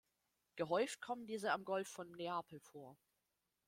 Gehäuft kommen diese am Golf von Neapel vor.